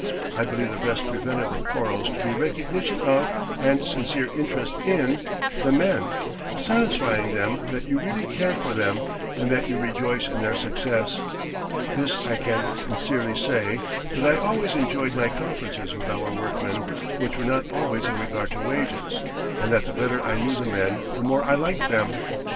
I believe the best preventive of quarrels to be recognition of, and sincere interest in, the men, satisfying them that you really care for them and that you rejoice in their success. This I can sincerely say that I always enjoyed my conferences with our workmen, which were not always in regard to wages, and that the better I knew the men the more I liked them.